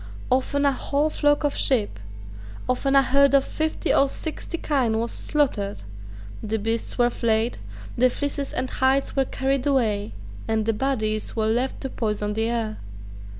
Often a whole flock of sheep, often a herd of fifty or sixty kine, was slaughtered: the beasts were flayed; the fleeces and hides were carried away; and the bodies were left to poison the air.